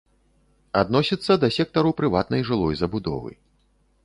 Адносіцца да сектару прыватнай жылой забудовы.